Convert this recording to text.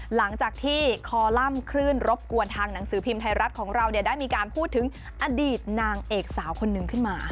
หลังจากที่คอลัมป์คลื่นรบกวนทางหนังสือพิมพ์ไทยรัฐของเราได้มีการพูดถึงอดีตนางเอกสาวคนนึงขึ้นมา